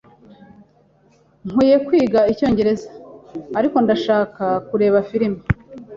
Nkwiye kwiga icyongereza, ariko ndashaka kureba firime.